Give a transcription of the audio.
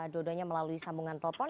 dodonya melalui sambungan telepon